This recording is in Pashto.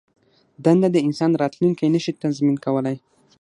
دنده د انسان راتلوونکی نه شي تضمین کولای.